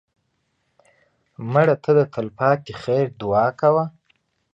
مړه ته د تل پاتې خیر دعا کوه